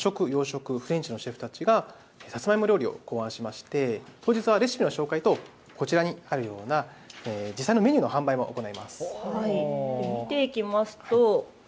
和食、洋食、フレンチのシェフたちがさつまいも料理を考案しまして当日はレシピの紹介とこちらにあるような実際のメニューの販売も行います。